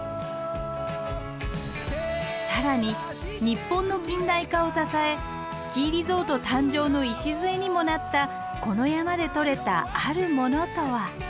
更に日本の近代化を支えスキーリゾート誕生の礎にもなったこの山で採れた“あるもの”とは？